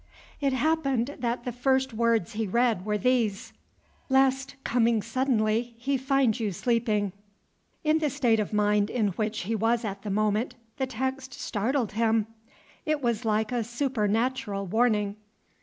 It happened that the first words he read were these, "Lest, coming suddenly, he find you sleeping." In the state of mind in which he was at the moment, the text startled him. It was like a supernatural warning.